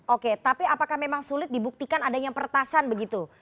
oke tapi apakah memang sulit dibuktikan adanya pertasan begitu